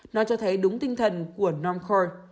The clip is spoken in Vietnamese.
nó cho thấy đúng tinh thần của norm kors